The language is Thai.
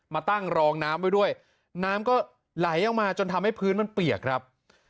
มาตั้งรองน้ำไว้ด้วยน้ำก็ไหลออกมาจนทำให้พื้นมันเปียกครับ